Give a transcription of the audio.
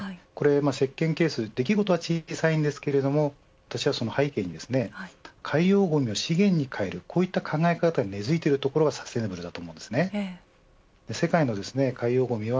せっけんケース出来事は小さいですけど私はその背景に、海洋ごみが資源に返る、こういった考え方に根づいている所がサステイナブルだと思います。